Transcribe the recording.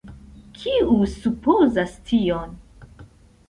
Kiu supozas tion?